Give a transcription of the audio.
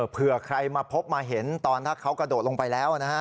เผื่อใครมาพบมาเห็นตอนถ้าเขากระโดดลงไปแล้วนะฮะ